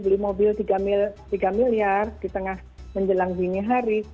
beli mobil tiga miliar di tengah menjelang dini hari